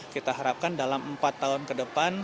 kita harapkan dalam empat tahun ke depan